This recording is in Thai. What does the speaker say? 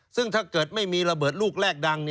ซึ่งถ้าเกิดไม่มีระเบิดลูกแรกดัง